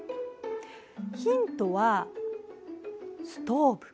ヒントは「ストーブ」。